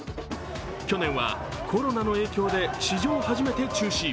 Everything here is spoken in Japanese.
去年はコロナの影響で史上初めて中止。